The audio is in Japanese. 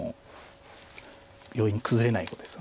容易に崩れない碁ですよね。